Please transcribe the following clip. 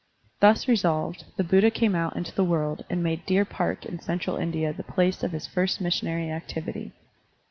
Thus resolved, the Buddha came out into the world and made Deer Park in Central India the place of his first mis sionary activity.